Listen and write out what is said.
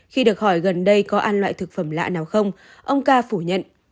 khi được hỏi gần đây có ăn loại thực phẩm lạ nào không ông ca phủ nhận